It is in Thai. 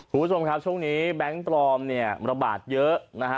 คุณผู้ชมครับช่วงนี้แบงค์ปลอมเนี่ยระบาดเยอะนะฮะ